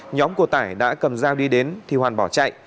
nhóm của tải đã cầm dao đi đến thì hoàn bỏ chạy